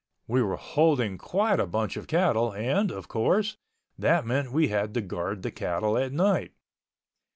We were holding quite a bunch of cattle and, of course, that meant we had to guard the cattle at night.